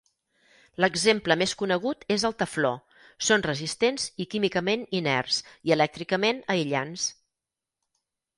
L'exemple més conegut és el tefló, són resistents i químicament inerts i elèctricament aïllants.